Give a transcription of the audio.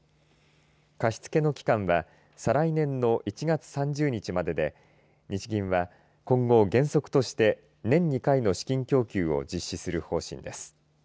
貸し付けの期間は再来年の１月３０日までで日銀は今後原則として年２回の資金供給を実施する方針です。